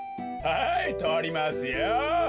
はいとりますよ。